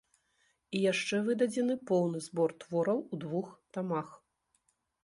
І яшчэ выдадзены поўны збор твораў у двух тамах.